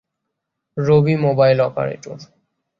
Rabi mobile operator